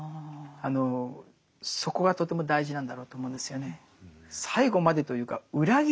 そこがとても大事なんだろうと思うんですよね。